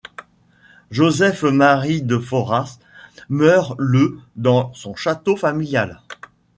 Joseph-Marie de Foras meurt le dans son château familial.